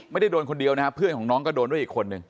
ไม่ได้โดนคนเดียวนะฮะเพื่อนของน้องก็โดนด้วยอีกคนนึง